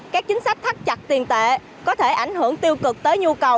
các chính sách thắt chặt tiền tệ có thể ảnh hưởng tiêu cực tới nhu cầu